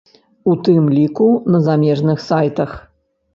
У тым ліку на замежных сайтах.